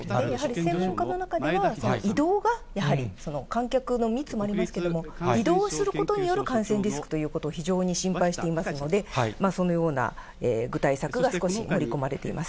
専門家の皆さんとしては、移動がやはり観客の密もありますけれども、移動することによる感染リスクということを非常に心配していますので、そのような具体策が少し盛り込まれています。